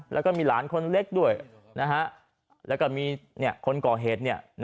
แล้วก็มีหลานคนเล็กด้วยแล้วก็มีคนก่อเหตุ